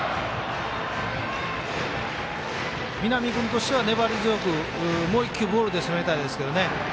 南君としては粘り強くもう１球、ボールで勝負したいですけどね。